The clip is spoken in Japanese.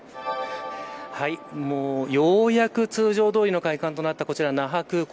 ようやく通常どおりの開館となった那覇空港。